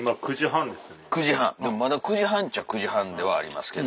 ９時半でもまだ９時半っちゃ９時半ではありますけど。